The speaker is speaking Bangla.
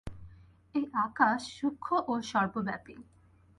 এই আকাশ সূক্ষ্ম ও সর্বব্যাপী।